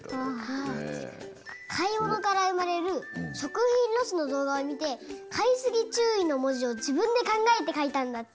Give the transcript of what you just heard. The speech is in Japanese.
かいものからうまれるしょくひんロスのどうがをみて「かいすぎちゅうい」のもじをじぶんでかんがえてかいたんだって。